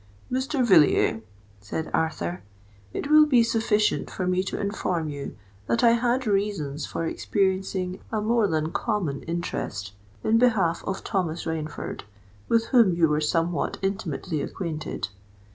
"Mr. Villiers," said Arthur, "it will be sufficient for me to inform you that I had reasons for experiencing a more than common interest in behalf of Thomas Rainford, with whom you were somewhat intimately acquainted.